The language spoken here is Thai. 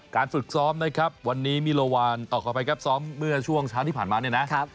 การฝึกซ้อมนะครับวันนี้มิลวานต่อไปซ้อมเมื่อช่วงช้างที่ผ่านมานะครับ